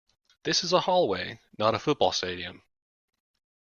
This is a hallway, not a football stadium!